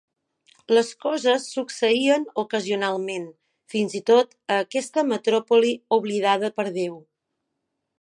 Les coses succeïen ocasionalment, fins i tot a aquesta metròpoli oblidada per Déu.